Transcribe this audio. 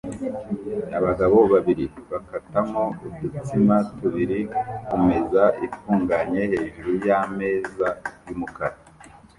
Abagabo babiri bakatamo udutsima tubiri kumeza ifunganye hejuru yameza yumukara